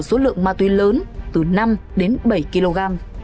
số lượng ma túy lớn từ năm đến bảy kg